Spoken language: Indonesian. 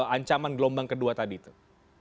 ancaman gelombang kedua tadi itu